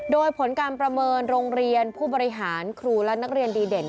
โดยผลการประเมินโรงเรียนผู้บริหารครูและนักเรียนดีเด่น